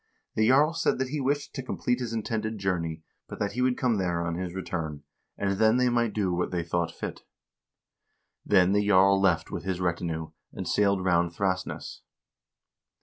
The jarl said that he wished to complete his intended journey, but that he would come there on his return, and then they might do what they thought fit. Then the jarl left with his retinue, and sailed round Thrasness.